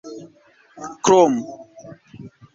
krom